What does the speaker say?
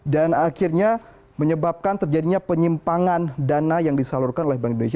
dan akhirnya menyebabkan terjadinya penyimpangan dana yang disalurkan oleh bank indonesia